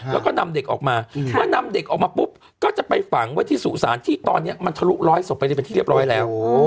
แล้วก็นำเด็กออกมาเมื่อนำเด็กออกมาปุ๊บก็จะไปฝังไว้ที่สุสานที่ตอนนี้มันทะลุร้อยศพไปได้เป็นที่เรียบร้อยแล้ว